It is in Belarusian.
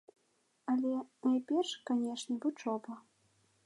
Але найперш, канешне, вучоба.